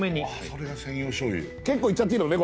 それが専用しょうゆ結構いっちゃっていいのね？